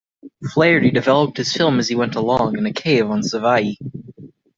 Flaherty developed his film as he went along, in a cave on Savai'i.